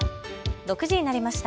６時になりました。